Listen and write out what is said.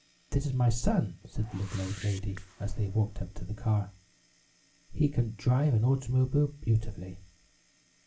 "This is my son," said the little old lady, as they walked up to the car. "He can drive an automobile beautifully.